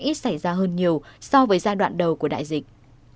ít xảy ra hơn nhiều so với giai đoạn đầu của đại dịch